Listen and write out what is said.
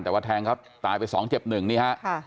แต่ว่าแทงครับตายไป๒เจ็บ๑นี่ครับ